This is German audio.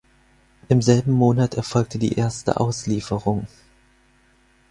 Im selben Monat erfolgte die erste Auslieferung.